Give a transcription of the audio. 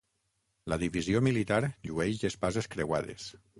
La divisió militar llueix espases creuades.